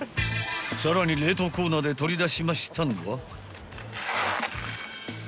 ［さらに冷凍コーナーで取り出しましたのは］